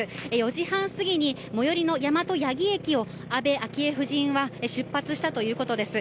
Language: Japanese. ４時半過ぎに最寄りの大和八木駅を安倍昭恵さんは出発したということです。